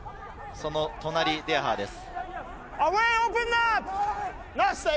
その隣はデヤハーです。